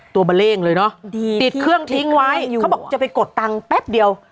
บะเล่งเลยเนอะปิดเครื่องทิ้งไว้เขาบอกจะไปกดตังค์แป๊บเดียว